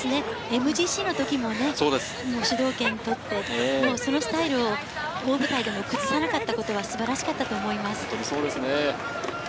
ＭＧＣの時もね、主導権を取って、そのスタイルを大舞台でも崩さなかったことは素晴らしいと思います。